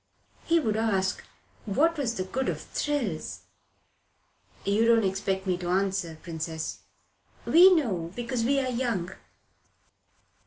"He would ask what was the good of thrills." "You don't expect me to answer, Princess." "We know because we're young."